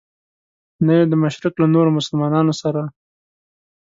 نه یې د مشرق له نورو مسلمانانو سره.